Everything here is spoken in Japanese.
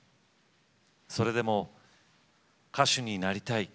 それでも、「歌手になりたい！